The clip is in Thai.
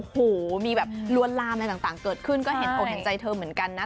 โอ้โหมีแบบลวนลามอะไรต่างเกิดขึ้นก็เห็นอกเห็นใจเธอเหมือนกันนะ